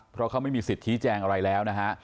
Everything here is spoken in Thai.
เพราะเขาไม่มีสิทธิแจงอะไรแล้วนะฮะ